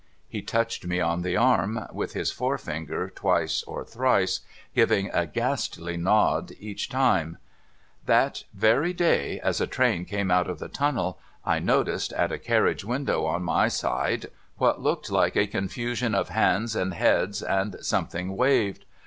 ' He touched me on the arm with his forefinger twice or thrice, giving a ghastly nod each time :—' That very day, as a train came out of the tunnel, I noticed, at a carriage window on my side, what looked like a confusion of hands and heads, and something waved.